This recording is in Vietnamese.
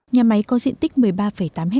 nhà máy có diện tích